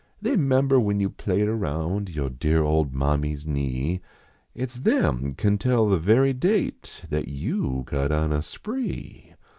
The\ member when yon played around Your dear old mommy s knee, It s them can tell the verv date That vou got on a spree.